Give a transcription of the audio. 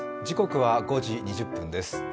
時刻は５時２０分です。